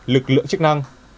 lực lượng chức năng